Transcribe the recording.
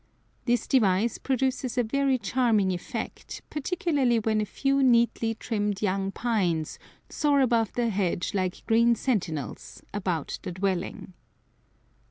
This device produces a very charming effect, particularly when a few neatly trimmed young pines soar above the hedge like green sentinels about the dwelling.